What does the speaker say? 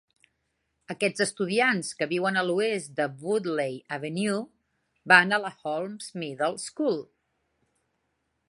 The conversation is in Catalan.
Aquests estudiants que viuen a l'oest de Woodley Avenue van a la Holmes Middle School.